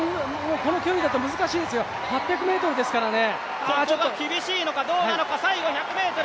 この距離だと難しいですよ、８００ｍですからね。